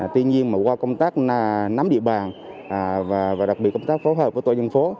tuy nhiên mà qua công tác nắm địa bàn và đặc biệt công tác phối hợp với tội dân phố